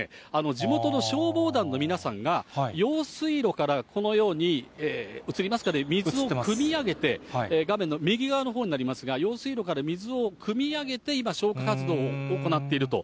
地元の消防団の皆さんが、用水路からこのように、映りますかね、水をくみ上げて、画面の右側のほうになりますが、用水路から水をくみ上げて、今、消火活動を行っていると。